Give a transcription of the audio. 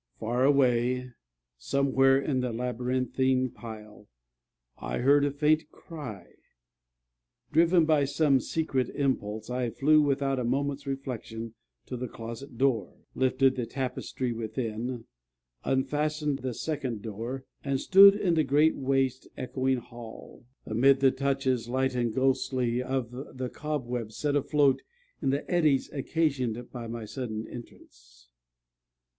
Far away, somewhere in the labyrinthine pile, I heard a faint cry. Driven by some secret impulse, I flew, without a moment's reflection, to the closet door, lifted the tapestry within, unfastened the second door, and stood in the great waste echoing hall, amid the touches, light and ghostly, of the cobwebs set afloat in the eddies occasioned by my sudden entrance.